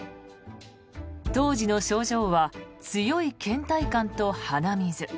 当時の症状は強いけん怠感と鼻水。